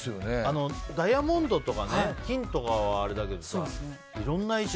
ダイヤモンドとか金とかはあれだけどいろんな石。